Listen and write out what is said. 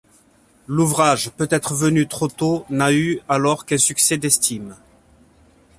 L'ouvrage, peut-être venu trop tôt, n'a eu alors qu'un succès d'estime.